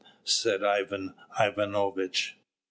said Ivan Ivanovitch.